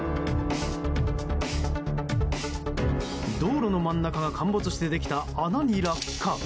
道路の真ん中が陥没してできた穴に落下。